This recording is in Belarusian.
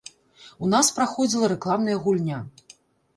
У нас праходзіла рэкламная гульня.